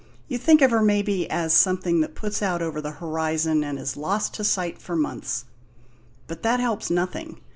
You think of her, maybe, as something that puts out over the horizon and is lost to sight for months. But that helps nothing.